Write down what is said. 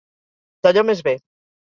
D'allò més bé.